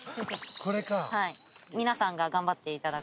これか。